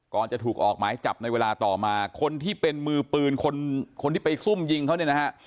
จะถูกออกหมายจับในเวลาต่อมาคนที่เป็นมือปืนคนคนที่ไปซุ่มยิงเขาเนี่ยนะฮะ